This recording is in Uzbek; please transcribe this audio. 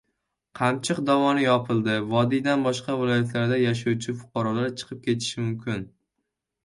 «Qamchiq» dovoni yopildi. Vodiydan boshqa viloyatlarda yashovchi fuqarolar chiqib ketishi mumkin